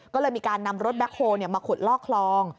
ก็เลยมีการนำรถแบ็คโฮลมาขุดลอกคลอง